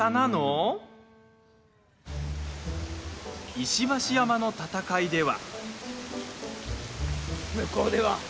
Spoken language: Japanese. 石橋山の戦いでは。